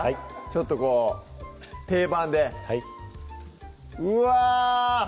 ちょっとこう定番ではいうわ！